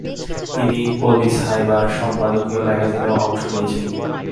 তিনি পলিস হাইভার সম্পাদকীয় ম্যাগাজিনেও অংশ নিয়েছিলেন।